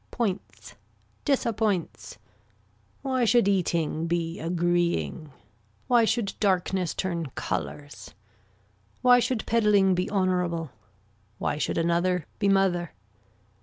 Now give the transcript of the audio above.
Points. Disappoints. Why should eating be agreeing. Why should darkness turn colors. Why should peddling be honorable. Why should another be mother.